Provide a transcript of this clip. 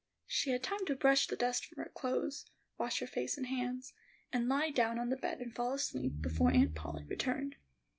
She had time to brush the dust from her clothes, wash her face and hands, and lie down on the bed and fall asleep before Aunt Polly returned.